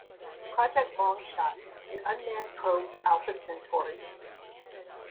Project Longshot: An Unmanned Probe To Alpha Centauri.